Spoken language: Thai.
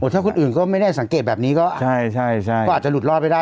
ถ้าคนอื่นก็ไม่ได้สังเกตแบบนี้ก็อาจจะหลุดรอดไปได้